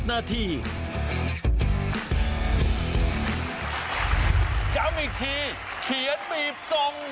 จำอีกทีเขียนบีบส่ง